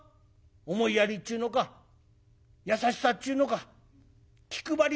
思いやりっちゅうのか優しさっちゅうのか気配り